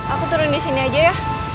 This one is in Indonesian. aku turun disini aja ya